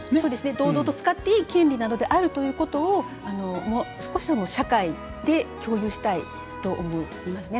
堂々と使っていい権利なのであるということを少しでも社会で共有したいと思いますね。